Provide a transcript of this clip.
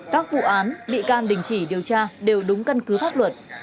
các vụ án bị can đình chỉ điều tra đều đúng cân cứ pháp luật